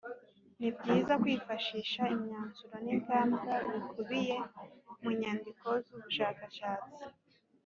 Ni byiza kwifashisha imyanzuro n’ingamba bikubiye mu nyandiko z’ ubushakashatsi